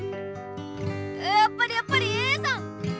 やっぱりやっぱりＡさん！